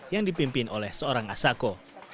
yang dipimpin oleh seorang asako